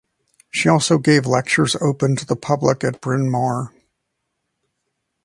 She also gave lectures open to the public at Bryn Mawr.